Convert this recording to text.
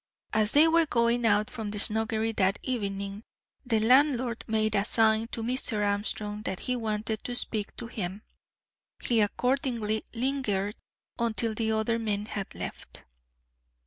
As they were going out from the snuggery that evening, the landlord made a sign to Mr. Armstrong that he wanted to speak to him. He accordingly lingered until the other men had left.